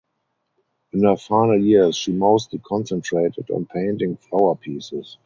In her final years she mostly concentrated on painting flower pieces.